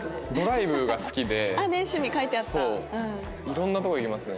色んなとこ行きますね。